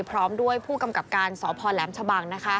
พร้อมด้วยผู้กำกับการสพแหลมชะบัง